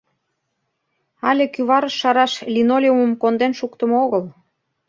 — Але кӱварыш шараш линолеумым конден шуктымо огыл.